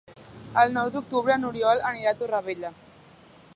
El nou d'octubre n'Oriol anirà a Torrevella.